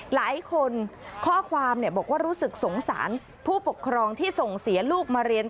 หลายคนข้อความบอกว่ารู้สึกสงสารผู้ปกครองที่ส่งเสียลูกมาเรียน